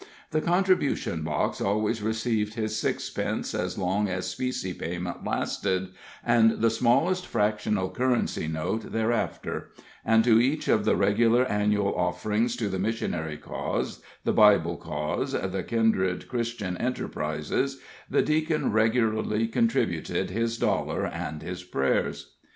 The contribution box always received his sixpence as long as specie payment lasted, and the smallest fractional currency note thereafter; and to each of the regular annual offerings to the missionary cause, the Bible cause, and kindred Christian enterprises, the Deacon regularly contributed his dollar and his prayers.